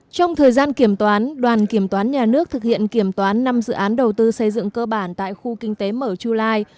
trong thời gian kiểm toán đoàn kiểm toán nhà nước thực hiện kiểm toán năm dự án đầu tư xây dựng cơ bản tại khu kinh tế mở chu lai